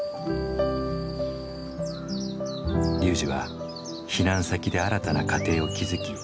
ＲＹＵＪＩは避難先で新たな家庭を築き